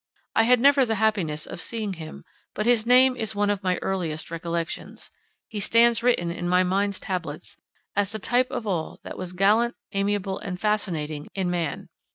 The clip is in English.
I had never the happiness of seeing him, but his name is one of my earliest recollections: he stands written in my mind's tablets as the type of all that was gallant, amiable, and fascinating in man.